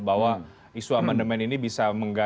bahwa isu amandemen ini bisa